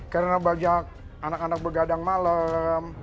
karena banyak anak anak begadang malam